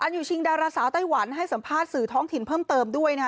อยู่ชิงดาราสาวไต้หวันให้สัมภาษณ์สื่อท้องถิ่นเพิ่มเติมด้วยนะฮะ